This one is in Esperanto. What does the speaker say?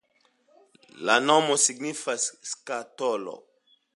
La nomo signifas skatolo.